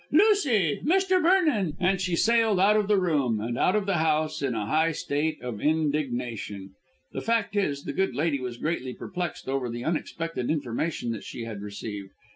Lucy! Mr. Vernon!" and she sailed out of the room and out of the house in a high state of indignation. The fact is, the good lady was greatly perplexed over the unexpected information that she had received.